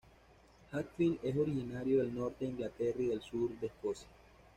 Hadfield es originario del norte de Inglaterra y del sur de Escocia.